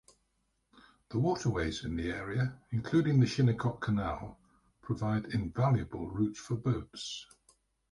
The waterways in the area, including the Shinnecock Canal, provide invaluable routes for boats.